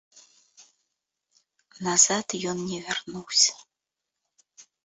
Назад ён не вярнуўся.